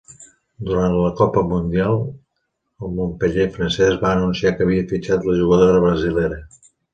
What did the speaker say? Durant la Copa Mundial, el Montpeller francès va anunciar que havia fitxat la jugadora brasilera.